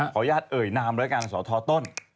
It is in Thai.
ขออนุญาตเอ่ยนามรายการสอทอต้น